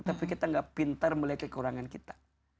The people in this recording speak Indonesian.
tapi kita gak pintar melihat kekurangan kita